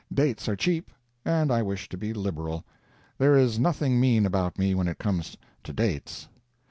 Dates are cheap, and I wish to be liberal. There is nothing mean about me when it comes to dates.